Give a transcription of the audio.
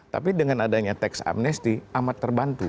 tapi dengan adanya teks amnesti amat terbantu